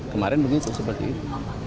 kemarin begitu seperti itu